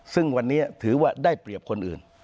ซึ่งวันนี้ถือว่าได้เปรียบคนอื่น